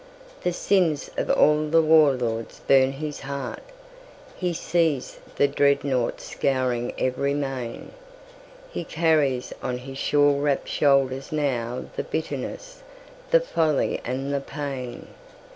The sins of all the war lords burn his heart. He sees the dreadnaughts scouring every main. He carries on his shawl wrapped shoulders nowThe bitterness, the folly and the pain.